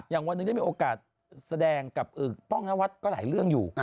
วันหนึ่งได้มีโอกาสแสดงกับป้องนวัดก็หลายเรื่องอยู่